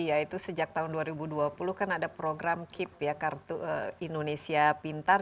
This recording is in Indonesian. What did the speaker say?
yaitu sejak tahun dua ribu dua puluh kan ada program kip ya kartu indonesia pintar